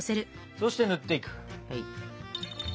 そして塗っていく。